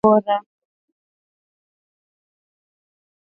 Vyombo vinavyohitajika katika upishi wa viazi lishe